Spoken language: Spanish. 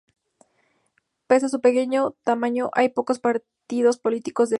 Pese a su pequeño tamaño hay muchos partidos políticos en Fiyi.